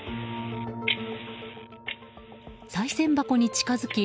さい銭箱に近づき